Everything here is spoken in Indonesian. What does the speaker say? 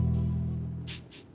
mira itu manis